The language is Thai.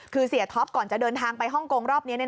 คือเสียท็อปก่อนจะเดินทางไปฮ่องกงรอบนี้